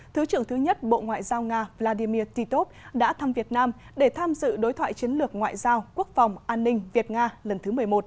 thứ trưởng thứ nhất bộ ngoại giao nga vladimir titov đã thăm việt nam để tham dự đối thoại chiến lược ngoại giao quốc phòng an ninh việt nga lần thứ một mươi một